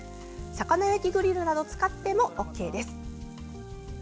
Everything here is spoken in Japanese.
魚焼きグリルなど使ってもＯＫです。